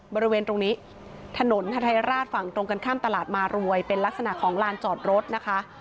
บริเวณตรงนี้ถนนฮาไทยราชฝั่งตรงกันข้ามตลาดมารวยเป็นลักษณะของลานจอดรถนะคะ